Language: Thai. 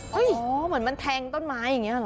เหมือนมันแทงต้นไม้อย่างนี้เหรอ